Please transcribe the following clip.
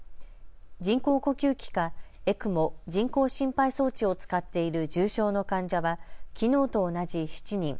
人工呼吸器かＥＣＭＯ・人工心肺装置を使っている重症の患者はきのうと同じ７人。